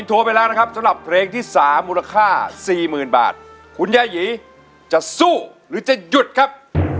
สู้สู้สู้สู้สู้สู้สู้จะสู้หรือจะหยุดครับ